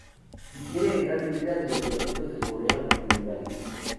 Difiere en gran medida de los dialectos del coreano continentales.